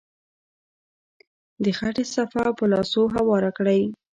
د خټې صفحه په لاسو هواره کړئ.